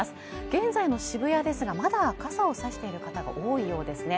現在の渋谷ですがまだ傘を差している方が多いようですね